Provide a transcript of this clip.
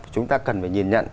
chúng ta cần phải nhìn nhận